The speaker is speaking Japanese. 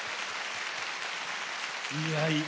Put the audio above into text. いやいい。